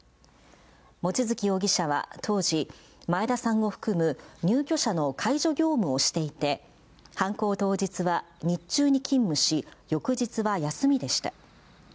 望月容疑者は当時、前田さんを含む入居者の介助業務をしていて、犯行当日は日中に勤務し、翌日は休みでした。